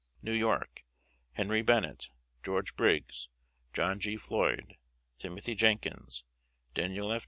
New York: Henry Bennet, George Briggs, John G. Floyd, Timothy Jenkins, Daniel F.